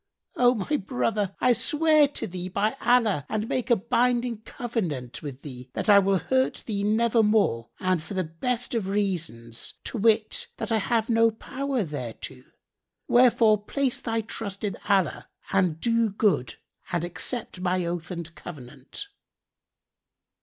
O my brother, I swear to thee by Allah and make a binding covenant with thee that I will hurt thee nevermore and for the best of reasons, to wit, that I have no power thereto; wherefore place thy trust in Allah and do good and accept my oath and covenant."